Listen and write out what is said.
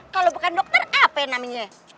kalau bukan dokter ap namanya